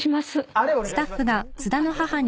ありがとうございます。